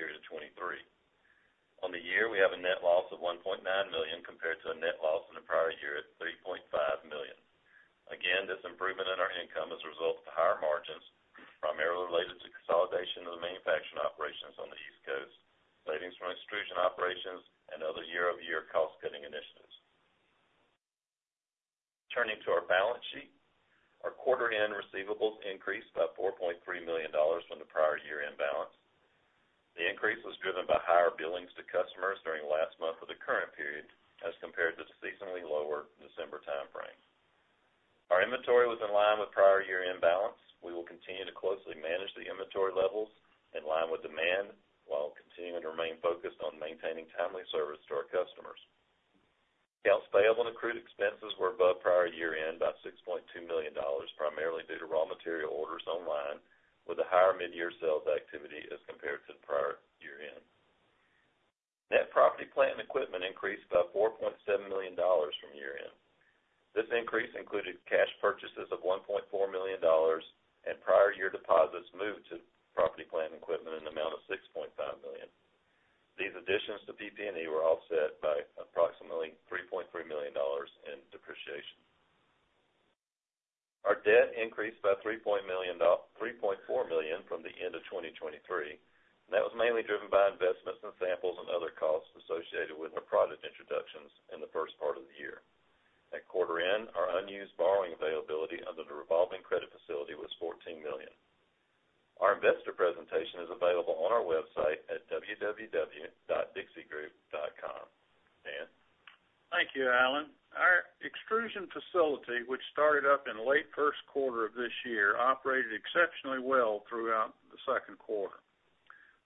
$7 million in the same period of 2023. On the year, we have a net loss of $1.9 million, compared to a net loss in the prior year at $3.5 million. Again, this improvement in our income is a result of the higher margins, primarily related to consolidation of the manufacturing operations on the East Coast, savings from extrusion operations, and other year-over-year cost-cutting initiatives. Turning to our balance sheet, our quarter-end receivables increased by $4.3 million from the prior year-end balance. The increase was driven by higher billings to customers during the last month of the current period as compared to the seasonally lower December timeframe. Our inventory was in line with prior year-end balance. We will continue to closely manage the inventory levels in line with demand, while continuing to remain focused on maintaining timely service to our customers. Accounts payable and accrued expenses were above prior year-end by $6.2 million, primarily due to raw material orders online, with a higher mid-year sales activity as compared to the prior year-end. Net property, plant, and equipment increased by $4.7 million from year-end. This increase included cash purchases of $1.4 million and prior year deposits moved to property, plant, and equipment in the amount of $6.5 million. These additions to PP&E were offset by approximately $3.3 million in depreciation. Our debt increased by $3.4 million from the end of 2023, and that was mainly driven by investments in samples and other costs associated with our product introductions in the first part of the year. At quarter-end, our unused borrowing availability under the revolving credit facility was $14 million. Our investor presentation is available on our website at www.dixiegroup.com. Dan? Thank you, Allen. Our extrusion facility, which started up in late Q1 of this year, operated exceptionally well throughout Q2.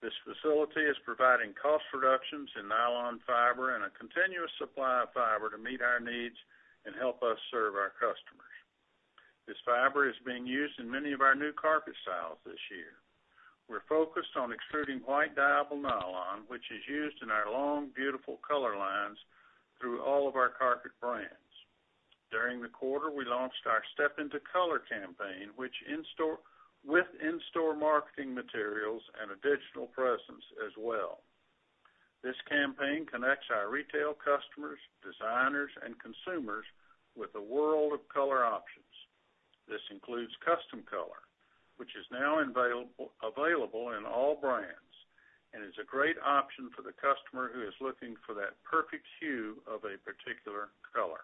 This facility is providing cost reductions in nylon fiber and a continuous supply of fiber to meet our needs and help us serve our customers. This fiber is being used in many of our new carpet styles this year. We're focused on extruding white-dyeable nylon, which is used in our long, beautiful color lines through all of our carpet brands. During the quarter, we launched our Step into Color campaign, with in-store marketing materials and a digital presence as well. This campaign connects our retail customers, designers, and consumers with a world of color options. This includes custom color, which is now available in all brands, and is a great option for the customer who is looking for that perfect hue of a particular color.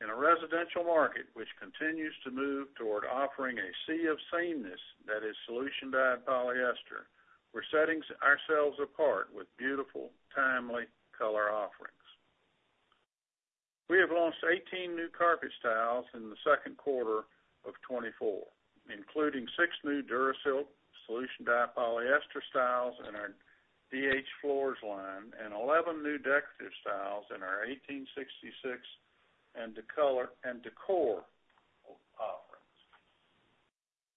In a residential market, which continues to move toward offering a sea of sameness, that is, solution-dyed polyester, we're setting ourselves apart with beautiful, timely color offerings. We have launched 18 new carpet styles in Q2 of 2024, including six new DuraSilk solution-dyed polyester styles in our DH Floors line and 11 new decorative styles in our 1866 and Décor offerings.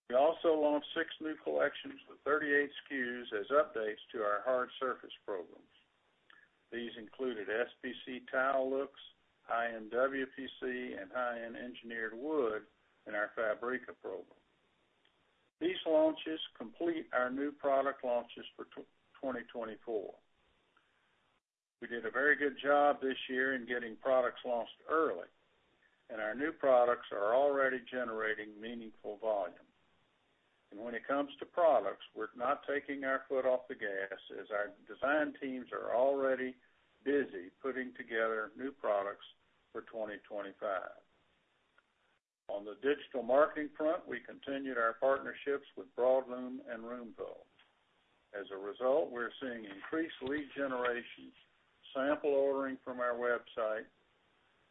We also launched six new collections with 38 SKUs as updates to our hard surface programs. These included SPC tile looks, high-end WPC, and high-end engineered wood in our Fabrica program. These launches complete our new product launches for 2024. We did a very good job this year in getting products launched early, and our new products are already generating meaningful volume. When it comes to products, we're not taking our foot off the gas, as our design teams are already busy putting together new products for 2025. On the digital marketing front, we continued our partnerships with Broadlume and Roomvo. As a result, we're seeing increased lead generations, sample ordering from our website,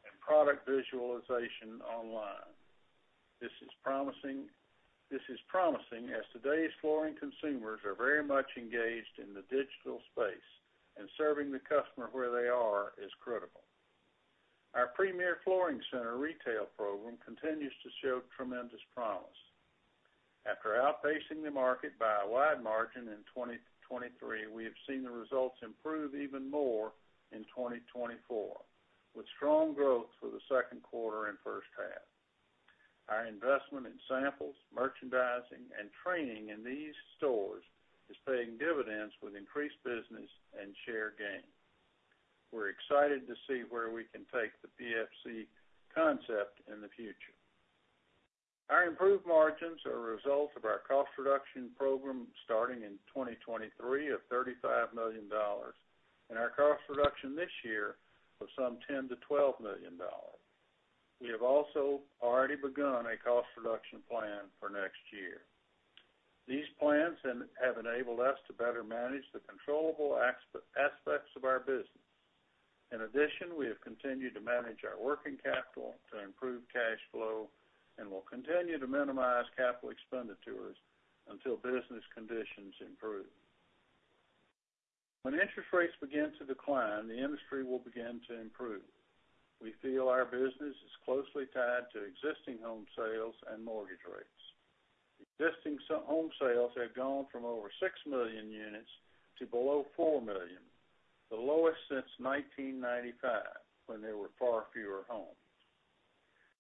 and product visualization online. This is promising, this is promising, as today's flooring consumers are very much engaged in the digital space, and serving the customer where they are is critical. Our Premier Flooring Center retail program continues to show tremendous promise. After outpacing the market by a wide margin in 2023, we have seen the results improve even more in 2024, with strong growth for Q2 and first half. Our investment in samples, merchandising, and training in these stores is paying dividends with increased business and share gain. We're excited to see where we can take the PFC concept in the future. Our improved margins are a result of our cost reduction program starting in 2023 of $35 million, and our cost reduction this year of some $10 to 12 million. We have also already begun a cost reduction plan for next year. These plans have enabled us to better manage the controllable aspects of our business. In addition, we have continued to manage our working capital to improve cash flow and will continue to minimize capital expenditures until business conditions improve. When interest rates begin to decline, the industry will begin to improve. We feel our business is closely tied to existing home sales and mortgage rates. Existing home sales have gone from over 6 million units to below 4 million, the lowest since 1995, when there were far fewer homes.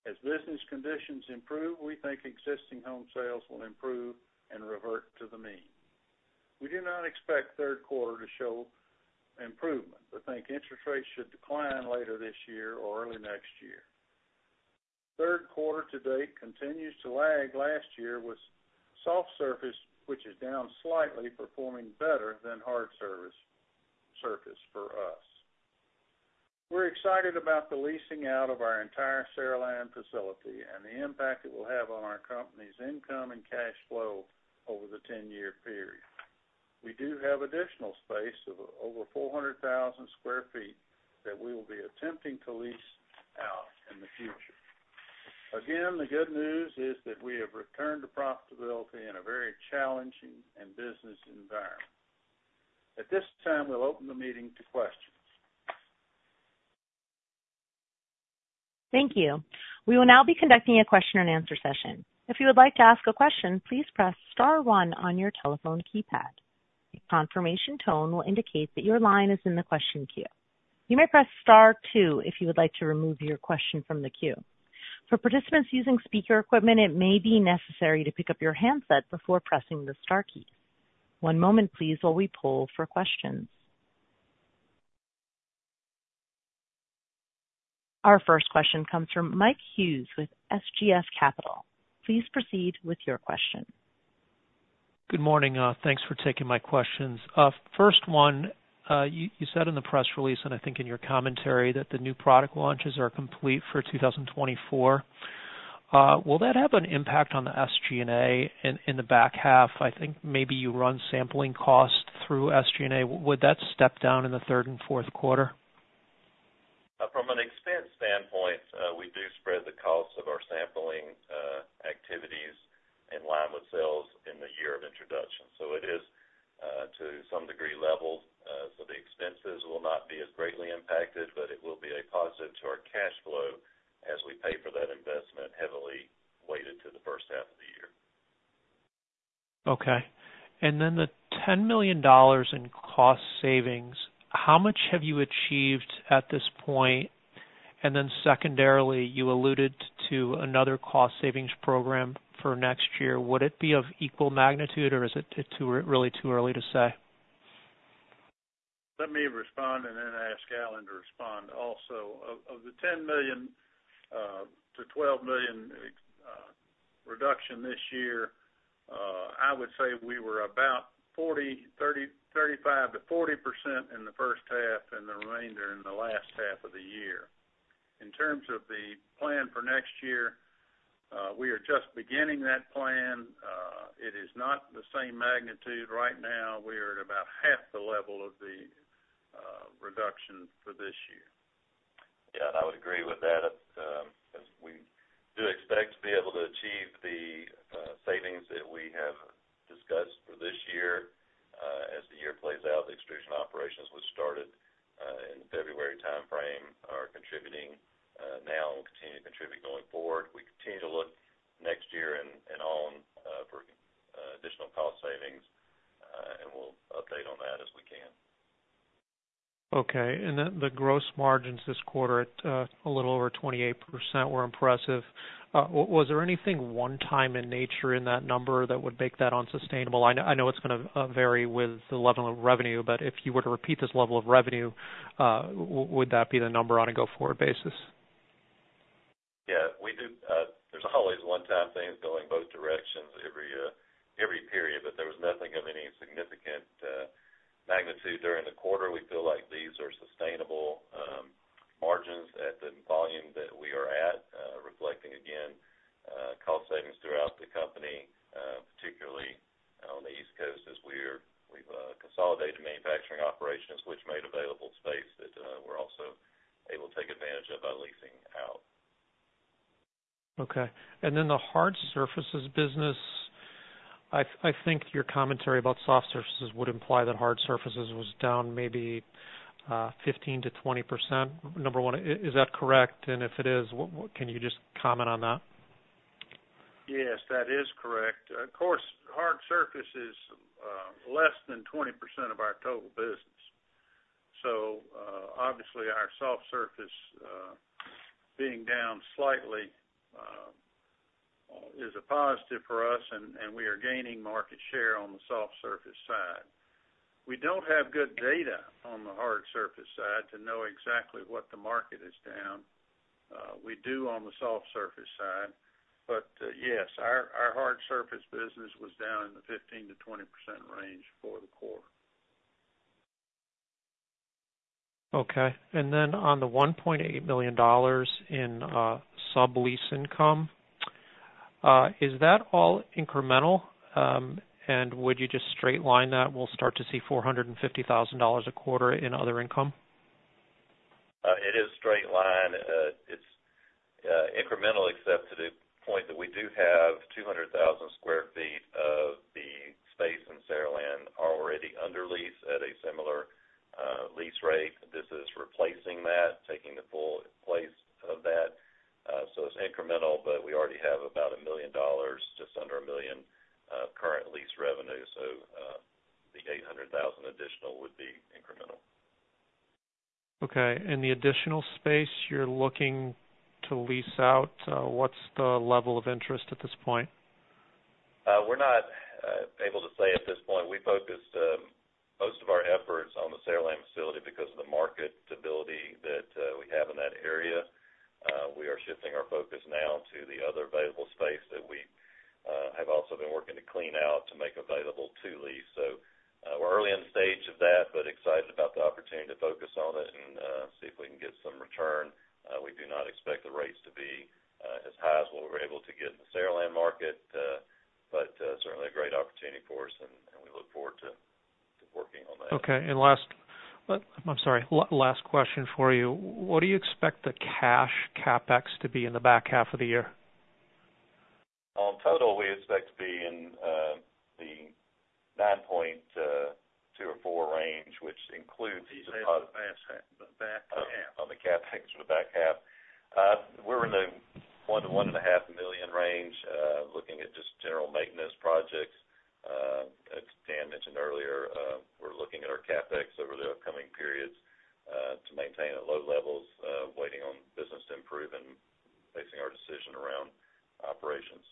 As business conditions improve, we think existing home sales will improve and revert to the mean. We do not expect Q3 to show improvement, but think interest rates should decline later this year or early next year. Q3 to date continues to lag last year with soft surface, which is down slightly, performing better than hard surface for us. We're excited about the leasing out of our entire Saraland facility and the impact it will have on our company's income and cash flow over the ten-year period. We do have additional space of over 400,000 sq ft that we will be attempting to lease out in the future. Again, the good news is that we have returned to profitability in a very challenging business environment. At this time, we'll open the meeting to questions. Thank you. We will now be conducting a question and answer session. If you would like to ask a question, please press Star One on your telephone keypad. A confirmation tone will indicate that your line is in the question queue. You may press Star Two if you would like to remove your question from the queue. For participants using speaker equipment, it may be necessary to pick up your handset before pressing the star key. One moment, please, while we poll for questions. Our first question comes from Mike Hughes with SGF Capital. Please proceed with your question. Good morning. Thanks for taking my questions. First one, you said in the press release, I think in your commentary, that the new product launches are complete for 2024. Will that have an impact on the SG&A in the back half? I think maybe you run sampling costs through SG&A. Would that step down in the third and Q4? From an expense standpoint, we do spread the cost of our sampling activities in line with sales in the year of introduction. It is, to some degree, leveled. The expenses will not be as greatly impacted, but it will be a positive to our cash flow as we pay for that investment, heavily weighted to the first half of the year. The $10 million in cost savings, how much have you achieved at this point? Secondarily, you alluded to another cost savings program for next year. Would it be of equal magnitude, or is it too, really too early to say? Let me respond and then ask Allen to respond also. Of the $10 to 12 million reduction this year, I would say we were about 35% to 40% in the first half and the remainder in the last half of the year. In terms of the plan for next year, we are just beginning that plan. It is not the same magnitude. Right now, we're at about half the level of the reduction for this year. I would agree with that. As we do expect to be able to achieve the savings that we have discussed for this year, as the year plays out, the extrusion operations, which started in the February timeframe, are contributing now and will continue to contribute going forward. We continue to look next year and on for additional cost savings, and we'll update on that as we can. The gross margins this quarter at a little over 28% were impressive. Was there anything one-time in nature in that number that would make that unsustainable? I know, I know it's gonna vary with the level of revenue, but if you were to repeat this level of revenue, would that be the number on a go-forward basis? We do. There's always one-time things going both directions every period, but there was nothing of any significant magnitude during the quarter. We feel like these are sustainable margins at the volume that we are at, reflecting again cost savings throughout the company, particularly on the East Coast, as we've consolidated manufacturing operations, which made available space that we're also able to take advantage of by leasing out. The hard surfaces business, I think your commentary about soft surfaces would imply that hard surfaces was down maybe 15% to 20%. Number one, is that correct? If it is, can you just comment on that? Yes, that is correct. Of course, hard surface is less than 20% of our total business. our soft surface being down slightly is a positive for us, and we are gaining market share on the soft surface side. We don't have good data on the hard surface side to know exactly what the market is down. We do on the soft surface side. Yes, our hard surface business was down in the 15% to 20% range for the quarter. On the $1.8 million in sublease income, is that all incremental? Would you just straight line that we'll start to see $450,000 a quarter in other income? It is straight line. It's incremental, except to the point that we do have 200,000 sq ft of the space in Saraland is already under lease at a similar lease rate. This is replacing that, taking the full place of that. It's incremental, but we already have about $1 million, just under $1 million, current lease revenue. The $800,000 additional would be incremental. Okay, and the additional space you're looking to lease out, what's the level of interest at this point? We're not able to say at this point. We focused most of our efforts on the Saraland facility because of the market stability that we have in that area. We are shifting our focus now to the other available space that we have also been working to clean out to make available to lease. We're early in the stage of that, excited about the opportunity to focus on it and see if we can get some return. We do not expect the rates to be as high as what we were able to get in the Saraland market, but certainly a great opportunity for us, and we look forward to working on that. Last, I'm sorry, last question for you. What do you expect the cash CapEx to be in the back half of the year? In total, we expect to be in the $9.2 to 9.4 range, which includes the- He said the last half, the back half. The CapEx for the back half. We're in the $1 to 1.5 million range, looking at just general maintenance projects. As Dan mentioned earlier, we're looking at our CapEx over the upcoming periods, to maintain at low levels, waiting on business to improve and basing our decision around operations.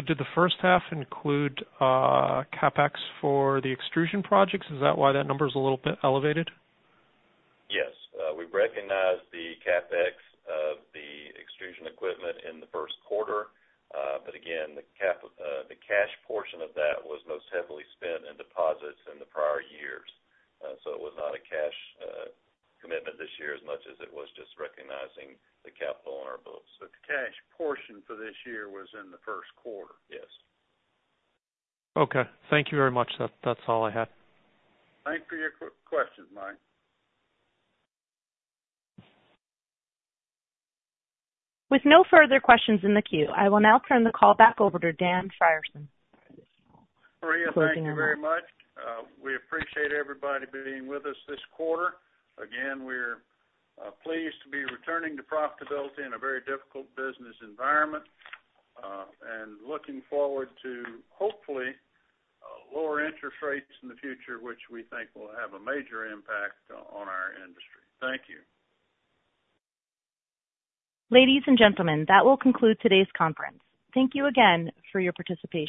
Did the first half include CapEx for the extrusion projects? Is that why that number is a little bit elevated? We've recognized the CapEx of the extrusion equipment in Q1. Again, the cash portion of that was most heavily spent in deposits in the prior years. It was not a cash commitment this year, as much as it was just recognizing the capital on our books. The cash portion for this year was in Q1? Yes. Thank you very much. That's all I had. Thanks for your question, Mike. With no further questions in the queue, I will now turn the call back over to Dan Frierson. Maria, thank you very much. We appreciate everybody being with us this quarter. Again, we're pleased to be returning to profitability in a very difficult business environment, and looking forward to, hopefully, lower interest rates in the future, which we think will have a major impact on our industry. Thank you. Ladies and gentlemen, that will conclude today's conference. Thank you again for your participation.